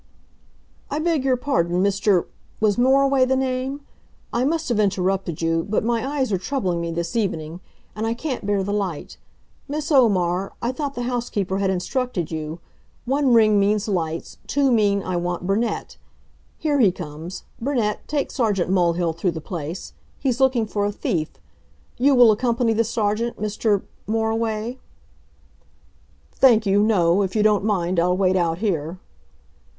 "I beg your pardon, Mr. was Moriway the name? I must have interrupted you, but my eyes are troubling me this evening, and I can't bear the light. Miss Omar, I thought the housekeeper had instructed you: one ring means lights, two mean I want Burnett. Here he comes... Burnett, take Sergeant Mulhill through the place. He's looking for a thief. You will accompany the Sergeant, Mr. Moriway?" "Thank you no. If you don't mind, I'll wait out here."